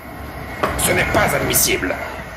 Ce n’est pas admissible.